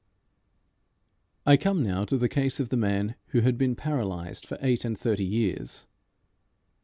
I come now to the case of the man who had been paralysed for eight and thirty years.